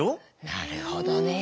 なるほどね。